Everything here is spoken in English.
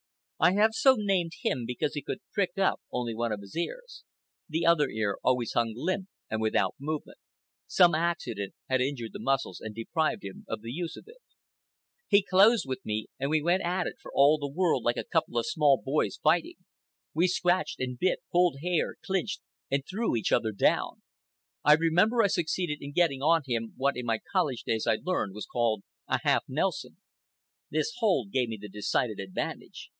I have so named him because he could prick up only one of his ears. The other ear always hung limp and without movement. Some accident had injured the muscles and deprived him of the use of it. He closed with me, and we went at it for all the world like a couple of small boys fighting. We scratched and bit, pulled hair, clinched, and threw each other down. I remember I succeeded in getting on him what in my college days I learned was called a half Nelson. This hold gave me the decided advantage.